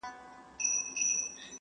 • ژمی د خوار او غریب زیان دئ -